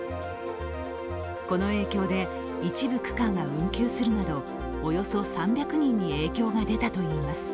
この影響で一部区間が運休するなどおよそ３００人に影響が出たといいます。